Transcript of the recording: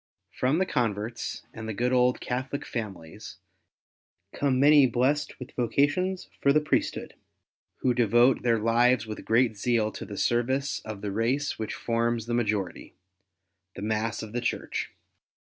From the converts and the good old Catholic fxmilies come many blest with vocations for the Priesthood, who devote their lives with great zeal to the service of the race which forms the majority — the mass of the Church.